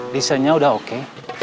listennya udah oke